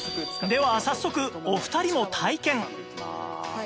では早速お二人も体験